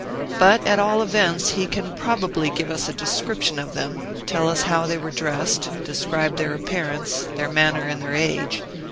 But at all events he can probably give us a description of them, tell us how they were dressed, describe their appearance, their manner, and their age.